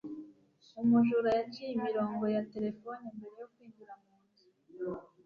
umujura yaciye imirongo ya terefone mbere yo kwinjira mu nzu